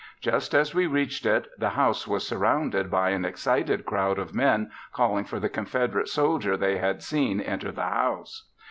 Just as we reached it the house was surrounded by an excited crowd of men calling for the Confederate soldier they had seen enter the house.